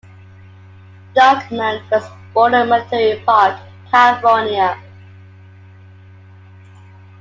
Dykman was born in Monterey Park, California.